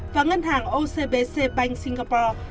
và ngân hàng ocbc bank singapore